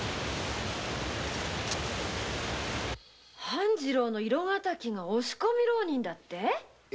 半次郎の色敵が押し込み浪人だって？